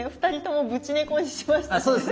２人ともブチ猫にしましたね。